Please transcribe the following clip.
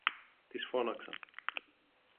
της φώναξα